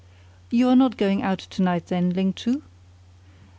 "You are not going out to night then, Ling Chu?"